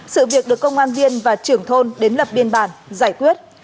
sự việc được công an viên và trưởng thôn đến lập biên bản giải quyết